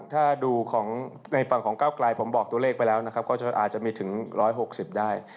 ถ้าดูของในฝั่งของก้าวกลายผมบอกตัวเลขไปแล้วนะครับก็อาจจะมีถึง๑๖๐ได้